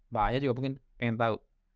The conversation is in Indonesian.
mbak aya juga mungkin pengen tahu